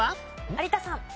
有田さん。